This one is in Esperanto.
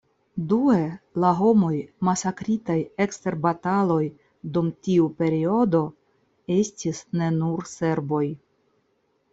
Due, la homoj masakritaj ekster bataloj dum tiu periodo estis ne nur serboj.